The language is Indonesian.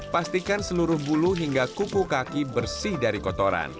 pastikan seluruh bulu hingga kupu kaki bersih dari kotoran